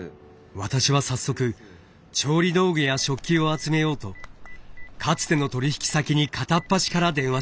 私は早速調理道具や食器を集めようとかつての取り引き先に片っ端から電話しました。